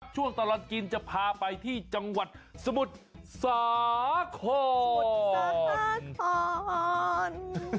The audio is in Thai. ช่วงตลอดกินจะพาไปที่จังหวัดสมุทรสาคร